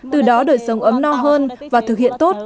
từ đó đời sống ấm no hơn và thực hiện tốt